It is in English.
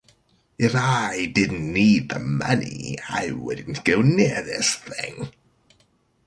If I didn't need the money I wouldn't go near this thing.